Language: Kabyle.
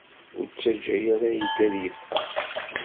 Ur ttaǧǧa ara aydi ad yeffeɣ.